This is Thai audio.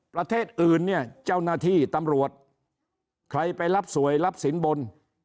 ประเทศอื่นเนี่ยเจ้าหน้าที่ตำรวจใครไปรับสวยรับสินบน